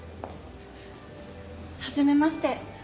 はじめまして。